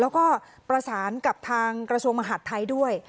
แล้วก็ประสานกับทางกระทรวงมหาดไทยด้วย